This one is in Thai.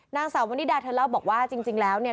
นางสาววนิดาเธอเล่าบอกว่าจริงแล้วเนี่ย